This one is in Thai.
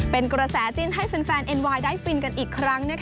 เป็นกระแสจิ้นให้แฟนเอ็นไวน์ได้ฟินกันอีกครั้ง